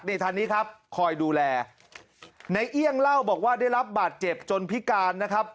นี่ท่านนี้ครับคอยดูแลในเอี่ยงเล่าบอกว่าได้รับบาดเจ็บจนพิการนะครับ